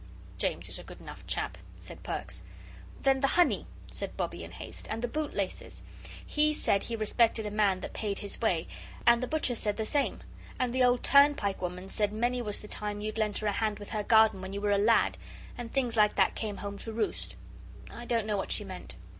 "James is a good enough chap," said Perks. "Then the honey," said Bobbie, in haste, "and the boot laces. HE said he respected a man that paid his way and the butcher said the same. And the old turnpike woman said many was the time you'd lent her a hand with her garden when you were a lad and things like that came home to roost I don't know what she meant.